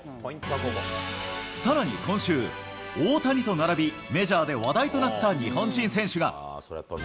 さらに今週、大谷と並び、メジャーで話題となった日本人選手が。